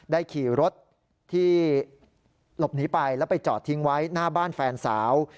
ขี่รถที่หลบหนีไปแล้วไปจอดทิ้งไว้หน้าบ้านแฟนสาว